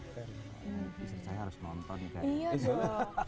istri saya harus nonton di film